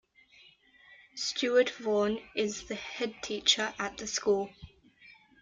Stewart Vaughan is the Headteacher at the school.